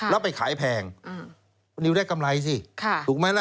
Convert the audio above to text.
แล้วไปขายแพงคุณนิวได้กำไรสิถูกไหมล่ะ